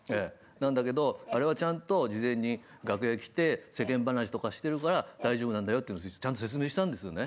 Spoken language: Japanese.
なんだけどあれはちゃんと事前に楽屋来て世間話とかしてるから大丈夫なんだよってちゃんと説明したんですよね。